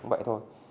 cũng vậy thôi